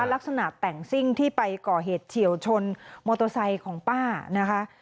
ลักษณะแต่งซิ่งที่ไปก่อเหตุเฉียวชนมอเตอร์ไซค์ของป้านะคะ